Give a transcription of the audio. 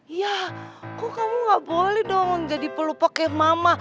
iya kok kamu ga boleh dong jadi pelupa kaya mama